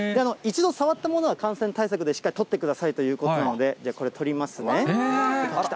一度触ったものは、感染対策でしっかり取ってくださいということなので、じゃあこれ、取りますね。